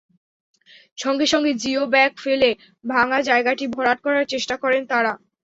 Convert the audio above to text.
সঙ্গে সঙ্গে geo bag ফেলে ভাঙা জায়গাটি ভরাট করার চেষ্টা করেন তাঁরা।